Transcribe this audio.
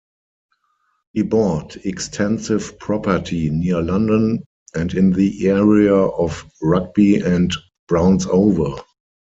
He bought extensive property near London and in the area of Rugby and Brownsover.